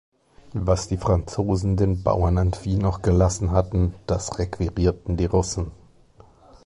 Was die Franzosen den Bauern an Vieh noch gelassen hatten, das requirierten die Russen.